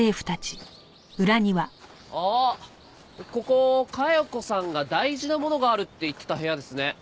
あっここ加代子さんが大事なものがあるって言ってた部屋ですね。